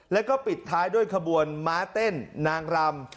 แล้วก็ปิดท้ายด้วยขบวนม้าเต้นนางรำ